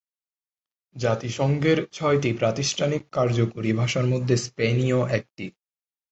জাতিসংঘের ছয়টি প্রাতিষ্ঠানিক কার্যকরী ভাষার মধ্যে স্পেনীয় একটি।